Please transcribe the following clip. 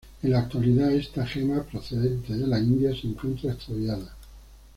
En la actualidad esta gema, procedente de la India, se encuentra extraviada.